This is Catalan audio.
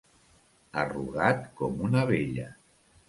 Arrugat com una vella.